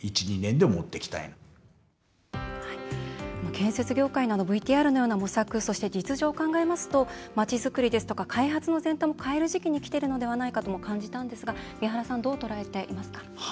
建設業界のＶＴＲのような模索そして、実情を考えますと街づくりなどの開発の前提を変える時期に来ているのではと感じたんですが、三原さんどう捉えていますか？